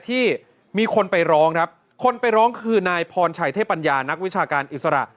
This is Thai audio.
ที่มีคนไปร้องครับคนไปร้องคือนายพรชัยเทพปัญญานักวิชาการอิสระ